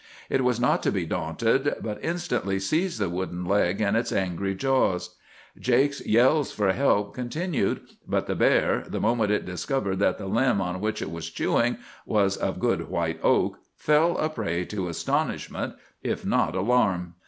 It was not to be daunted, but instantly seized the wooden leg in its angry jaws. Jake's yells for help continued; but the bear, the moment it discovered that the limb on which it was chewing was of good white oak, fell a prey to astonishment, if not alarm.